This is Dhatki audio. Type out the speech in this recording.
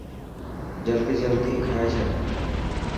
جلدي جلدي کائي ڇڏ.